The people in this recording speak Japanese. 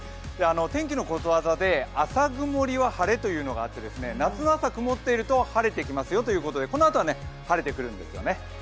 天気のことわざで、朝曇りは晴れというのがあって夏の朝、曇っていると晴れてきますよということでこのあとは晴れてくるんですよね。